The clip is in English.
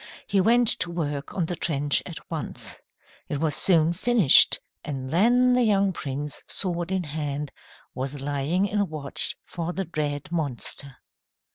He went to work on the trench at once. It was soon finished, and then the young prince, sword in hand, was lying in watch for the dread monster.